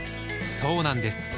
そうなんです